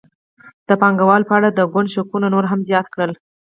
د پانګوالو په اړه د ګوند شکونه نور هم زیات کړل.